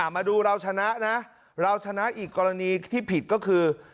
มาดูเราชนะนะเราชนะอีกกรณีที่ผิดก็คือ